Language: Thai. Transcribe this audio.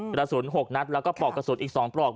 กระสุน๖นัดแล้วก็ปลอกกระสุนอีก๒ปลอก